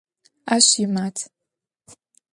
Ащ имат.